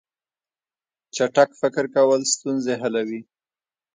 چټک فکر کول ستونزې حلوي.